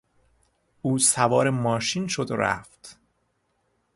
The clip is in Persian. او سوار ماشین شد و رفت.